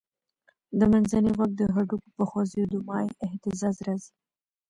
د منځني غوږ د هډوکو په خوځېدو مایع اهتزاز راځي.